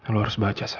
lu harus baca sa